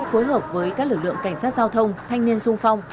phối hợp với các lực lượng cảnh sát giao thông thanh niên sung phong